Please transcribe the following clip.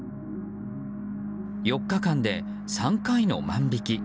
４日間で３回の万引き。